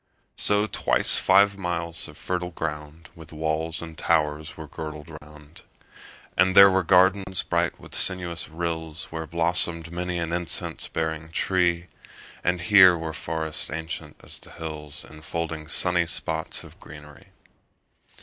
5 So twice five miles of fertile ground With walls and towers were girdled round: And there were gardens bright with sinuous rills Where blossom'd many an incense bearing tree; And here were forests ancient as the hills, 10 Enfolding sunny spots of greenery.